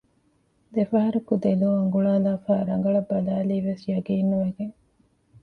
ދެފަހަރަކު ދެލޯ އުނގުޅާލާފައި ރަނގަޅަށް ބަލައިލީވެސް ޔަޤީންނުވެގެން